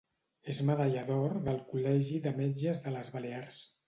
És medalla d'or del Col·legi de Metges de les Balears.